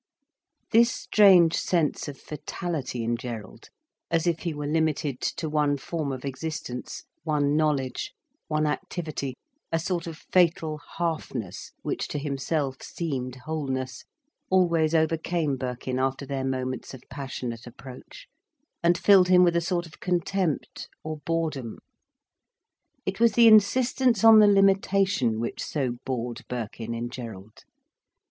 This strange sense of fatality in Gerald, as if he were limited to one form of existence, one knowledge, one activity, a sort of fatal halfness, which to himself seemed wholeness, always overcame Birkin after their moments of passionate approach, and filled him with a sort of contempt, or boredom. It was the insistence on the limitation which so bored Birkin in Gerald.